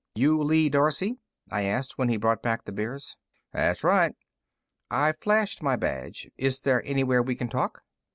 "You Lee Darcey?" I asked when he brought back the beers. "That's right." I flashed my badge. "Is there anywhere we can talk?"